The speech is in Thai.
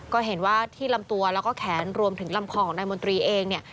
ก็เห็นว่าที่ลำตัวแล้วก็แขนรวมถึงลำคอของนายมนตรีเองเนี่ย